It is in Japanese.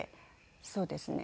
そうですね。